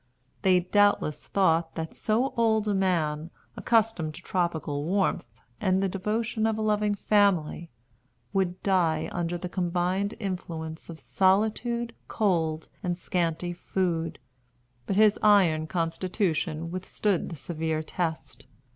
They doubtless thought that so old a man, accustomed to tropical warmth, and the devotion of a loving family, would die under the combined influence of solitude, cold, and scanty food. But his iron constitution withstood the severe test.